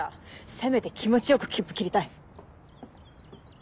せめて気持ち良く切符切りたい。